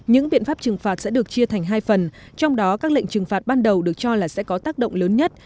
những biện pháp trừng phạt sẽ được chia thành hai phần trong đó các lệnh trừng phạt ban đầu được cho là sẽ có tác động lớn nhất